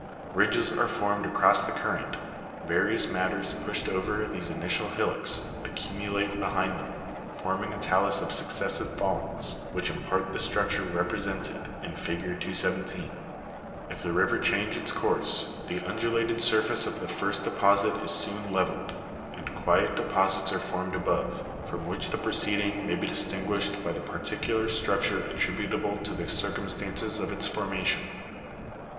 Ridges are formed across the current ; various mat ters, pushed over these initial hillocks, accumulate behind them, forming a ta'lus of successive fallings, which impart the structure represented in fig. 217. If the river change its course, the undu lated surface of the first deposit is soon levelled, and quiet deposits are formed above (Jig 218), from which the preceding may be distinguished by the particular structure attributable to the circum stances of its formation. Fig. 217. Fig. 218. Structure produced by the transportation of materials.